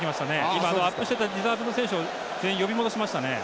今アップしてたリザーブの選手を全員呼び戻しましたね。